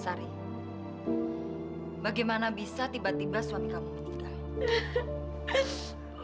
sari bagaimana bisa tiba tiba suami kamu meninggal